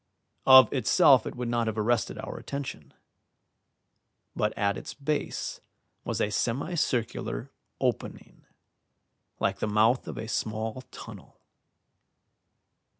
Of itself it would not have arrested our attention, but at its base was a semicircular opening, like the mouth of a small tunnel.